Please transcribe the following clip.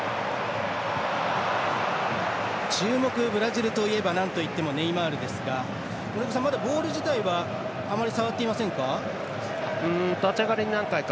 注目、ブラジルといったらなんといってもネイマールですがボール自体はあまり触っていませんか？